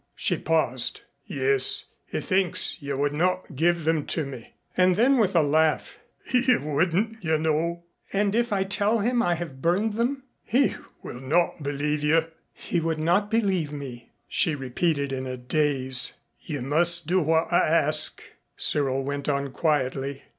She paused. "Yes, he thinks you would not give them to me." And then, with a laugh, "You wouldn't, you know." "And if I tell him I have burned them " "He will not believe you." "He would not believe me," she repeated in a daze. "You must do what I ask," Cyril went on quietly.